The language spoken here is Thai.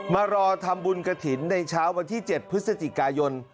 มารอทำบุญกระถิ่นในเช้าวันที่๗พฤศจิกายน